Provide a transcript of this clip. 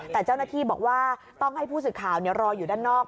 แต่เจ้าหน้าที่บอกว่าต้องให้ผู้สื่อข่าวรออยู่ด้านนอก